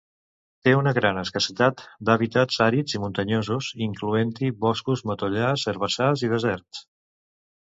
Té una gran escassetat d'hàbitats àrids i muntanyosos, incloent-hi boscos, matollars, herbassars i deserts.